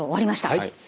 はい。